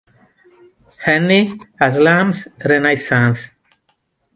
Annie Haslam's Renaissance